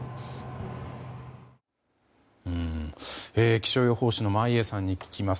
気象予報士の眞家さんに聞きます。